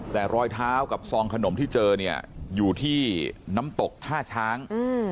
แต่รอยเท้ากับซองขนมที่เจอเนี่ยอยู่ที่น้ำตกท่าช้าง